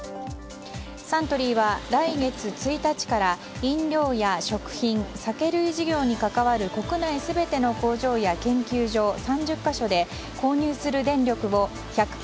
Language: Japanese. サントリーは来月１日から飲料や食品、酒類事業に関わる国内全ての工場や研究所３０か所で購入する電力を１００％